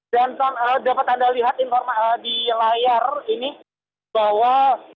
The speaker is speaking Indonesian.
dan dapat anda lihat informasi di layar ini bahwa